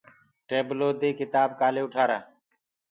ٽيبلو دي ڪِتآب ڪآلي اُٽآرآ۔